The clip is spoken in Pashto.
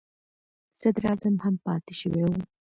صدر اعظم هم پاتې شوی و.